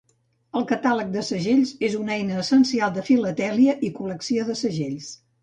El catàleg de segells és una eina essencial de filatèlia i col·lecció de segells.